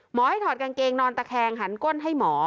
ให้ถอดกางเกงนอนตะแคงหันก้นให้หมอ